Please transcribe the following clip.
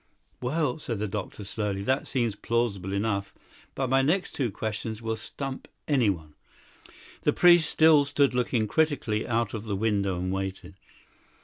"Well," said the doctor slowly, "that seems plausible enough. But my next two questions will stump anyone." The priest still stood looking critically out of the window and waited.